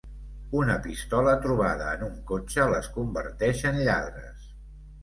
Una pistola trobada en un cotxe les converteix en lladres.